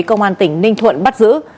công an tỉnh ninh thuận bắt giữ